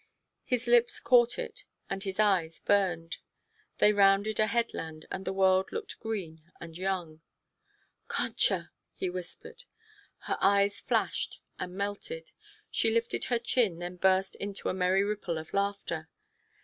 His lips caught it and his eyes burned. They rounded a headland and the world looked green and young. "Concha!" he whispered. Her eyes flashed and melted, she lifted her chin; then burst into a merry ripple of laughter.